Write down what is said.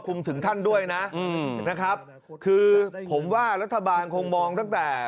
คือผมว่ารัฐบาลคงมองตั้งแต่